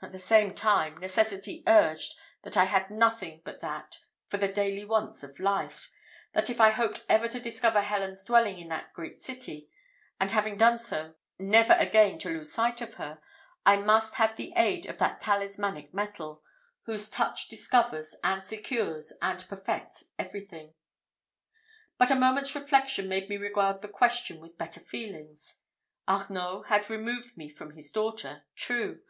At the same time necessity urged that I had nothing but that for the daily wants of life; that if I hoped ever to discover Helen's dwelling in that great city, and having done so, never again to lose sight of her, I must have the aid of that talismanic metal, whose touch discovers, and secures, and perfects everything. But a moment's reflection made me regard the question with better feelings; Arnault had removed me from his daughter true!